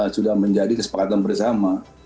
sudah menjadi kesepakatan bersama